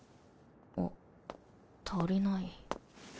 あっ足りない。